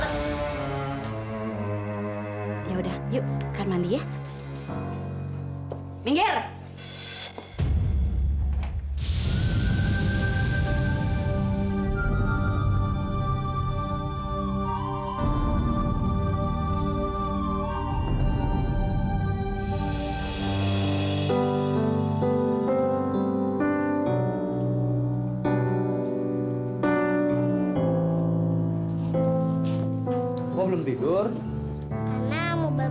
kalau katika belum sembuh